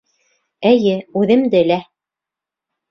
Эйе, үҙемде лә!